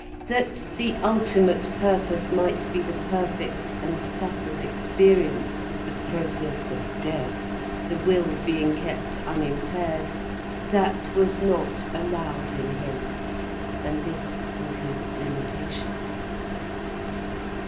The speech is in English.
That the ultimate purpose might be the perfect and subtle experience of the process of death, the will being kept unimpaired, that was not allowed in him. And this was his limitation.